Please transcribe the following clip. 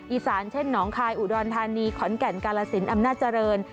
อีสานเช่นหนองคายอุดรธานีขอนแก่นกาลสินอำนาจเจริญ